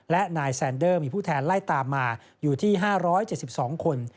และนายแซนเดอร์มีผู้แทนไล่ตามมาอยู่ที่๕๗๒คน